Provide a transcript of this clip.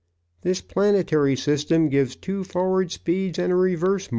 "This planetary system gives two forward speeds and a reverse motion."